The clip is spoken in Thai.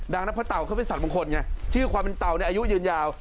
ดังนั้นเพราะเต่าเขาเป็นสัตวมงคลไงชื่อความเป็นเต่าในอายุยืนยาว